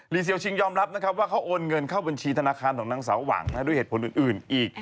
เซลชิงยอมรับนะครับว่าเขาโอนเงินเข้าบัญชีธนาคารของนางสาวหวังด้วยเหตุผลอื่นอีก